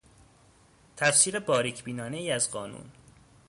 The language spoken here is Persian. تفسیر باریک بینانهای از قانون